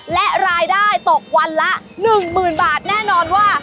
และรายได้ตกวันละ๑๐๐๐บาทแน่นอนว่า